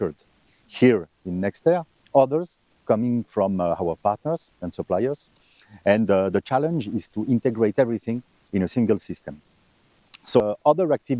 jadi aktivitas lainnya juga berkaitan dengan pembaikan penjagaan dan semua perubatan